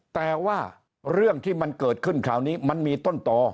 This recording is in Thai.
แต่ว่าเรื่องที่มันเกิดขึ้นคราวนี้มันมีต้นต่อ